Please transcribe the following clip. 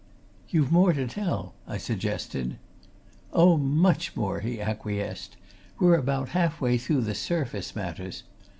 "You've more to tell," I suggested. "Oh, much more!" he acquiesced. "We're about half way through the surface matters.